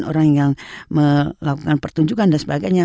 orang yang melakukan pertunjukan dan sebagainya